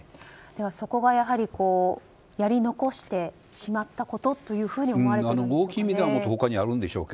そこが、やはりやり残してしまったことというふうに思われているんですかね。